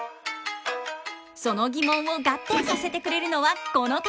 その疑問を合点させてくれるのはこの方！